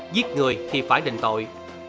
giết người thì phải định tội